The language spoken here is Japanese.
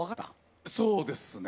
そうですね。